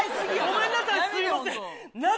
ごめんなさいすいません。